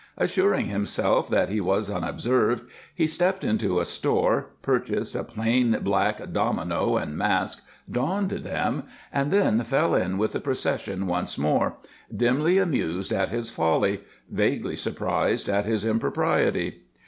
Assuring himself that he was unobserved, he stepped into a store, purchased a plain black domino and mask, donned them, and then fell in with the procession once more, dimly amused at his folly, vaguely surprised at his impropriety.